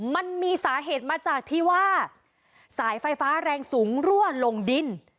มันมีสาเหตุมาจากที่ว่าสายไฟฟ้าแรงสูงรั่วลงดิน